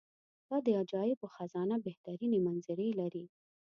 دا د عجایبو خزانه بهترینې منظرې لري.